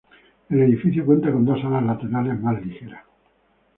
El edificio cuenta con dos alas laterales, más ligeras.